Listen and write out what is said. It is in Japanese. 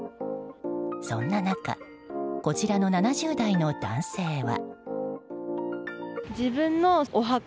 そんな中こちらの７０代の男性は。